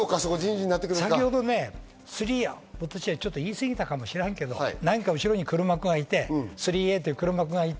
先ほど私は言い過ぎたかもしれないけど、後ろに黒幕がいて、３Ａという黒幕がいて。